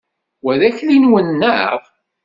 Wa d akli-nwen, neɣ?